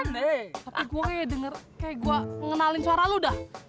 tapi gue kayak denger kayak gue ngenalin suara lu dah